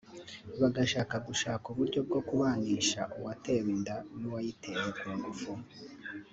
bagatangira gushaka uburyo bwo kubanisha uwatewe inda n’uwayimuteye ku ngufu